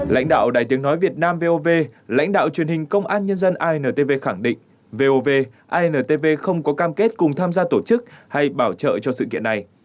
lãnh đạo đài tiếng nói việt nam vov lãnh đạo truyền hình công an nhân dân intv khẳng định vov intv không có cam kết cùng tham gia tổ chức hay bảo trợ cho sự kiện này